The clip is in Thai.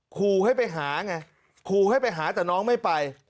ขู่ให้ไปหาไงขู่ให้ไปหาแต่น้องไม่ไป